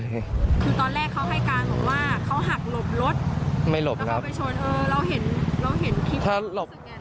คือตอนแรกเขาให้การบอกว่าเขาหักหลบรถ